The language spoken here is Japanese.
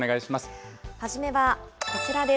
初めはこちらです。